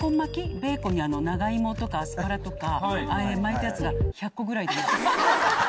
ベーコンに長芋とかアスパラとか巻いたやつが１００個ぐらい出ました。